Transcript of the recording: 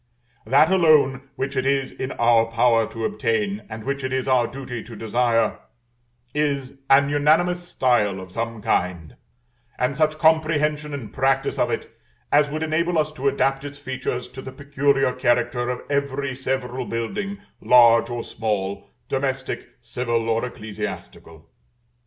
That alone which it is in our power to obtain, and which it is our duty to desire, is an unanimous style of some kind, and such comprehension and practice of it as would enable us to adapt its features to the peculiar character of every several building, large or small, domestic, civil, or ecclesiastical.